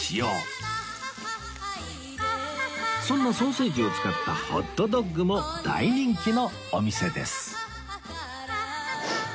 そんなソーセージを使ったホットドッグも大人気のお店です